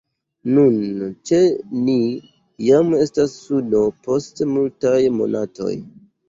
Nun ĉe ni jam estas suno post multaj monatoj.